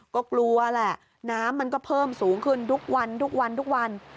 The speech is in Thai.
ก็กลัวแหละน้ำมันก็เพิ่มสูงขึ้นดุกวัน